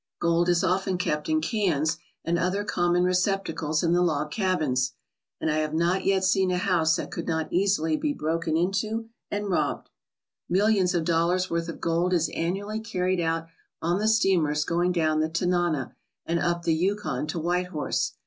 Gold is often kept in cans and other common receptacles in the log cabins, and I have not yet seen a house that could not easily be broken into and robbed. Millions of dollars' worth of gold is annually carried out on the steamers going down the Tanana and up the Yukon to White Horse.